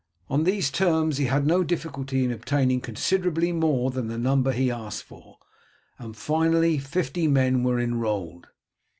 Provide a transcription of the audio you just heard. On these terms he had no difficulty in obtaining considerably more than the number he asked for, and finally fifty men were enrolled.